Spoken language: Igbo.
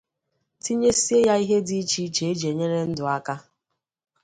tinyesie ya ihe dị icheiche e ji enyere ndụ aka